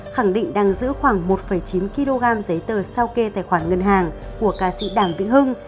khẳng định đang giữ khoảng một chín kg giấy tờ sao kê tài khoản ngân hàng của ca sĩ đàm vĩnh hưng